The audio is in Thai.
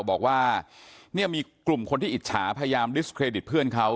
บอกว่าเนี่ยมีกลุ่มคนที่อิจฉาพยายามดิสเครดิตเพื่อนเขา